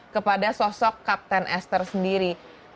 kepada sosok kapten esther sendiri